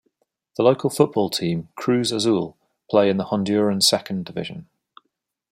The local football team, Cruz Azul, play in the Honduran second division.